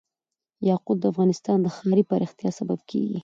یاقوت د افغانستان د ښاري پراختیا سبب کېږي.